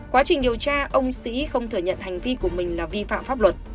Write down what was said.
quá trình điều tra ông sĩ không thừa nhận hành vi của mình là vi phạm pháp luật